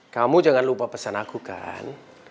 kamu jangan lupa pesan aku kan